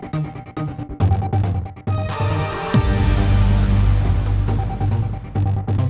sekarang udah mau nyambung